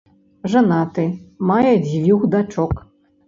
Жанаты, мае дзвюх дачок.